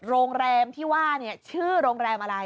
โรงแรมที่ว่าชื่อโรงแรมอะไร